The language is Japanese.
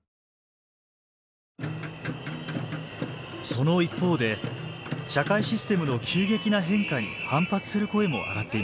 その一方で社会システムの急激な変化に反発する声も上がっています。